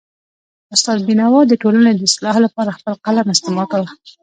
استاد بینوا د ټولنې د اصلاح لپاره خپل قلم استعمال کړ.